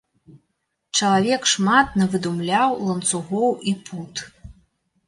Чалавек шмат навыдумляў ланцугоў і пут!